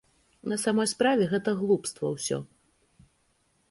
На самой справе гэта глупства ўсё.